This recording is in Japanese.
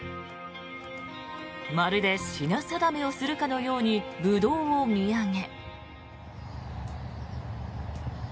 まるで品定めをするかのようにブドウを見上げ。